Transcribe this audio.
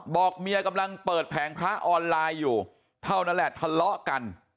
บอกเมียกำลังเปิดแผงพระออนไลน์อยู่เท่านั้นแหละทะเลาะกัน